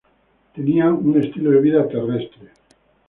Tenían un estilo de vida terrestre.